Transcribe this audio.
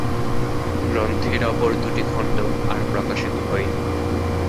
গ্রন্থের অপর দুটি খন্ড আর প্রকাশিত হয়নি।